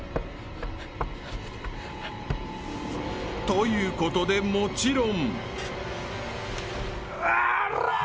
［ということでもちろん］おりゃ！